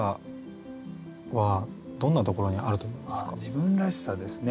自分らしさですね。